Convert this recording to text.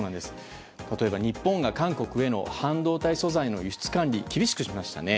例えば日本が韓国への半導体素材の輸出管理を厳しくしましたね。